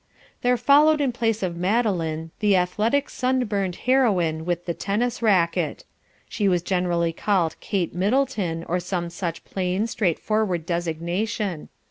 There followed in place of Madeline, the athletic sunburned heroine with the tennis racket. She was generally called Kate Middleton, or some such plain, straightforward designation.